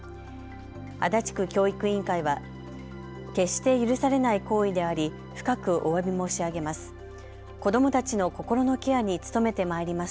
足立区教育委員会は決して許されない行為であり深くおわび申し上げます。